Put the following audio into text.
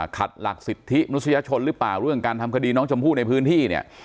ขัดหลักสิทธิมนุษยชนหรือเปล่าเรื่องการทำคดีน้องชมพู่ในพื้นที่เนี่ย